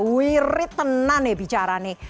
wirid tenang ya bicara nih